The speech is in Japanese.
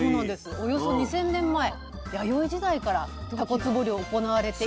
およそ２，０００年前弥生時代からたこつぼ漁行われていたと。